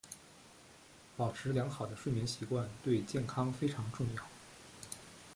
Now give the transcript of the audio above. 保持良好的睡眠习惯对健康非常重要。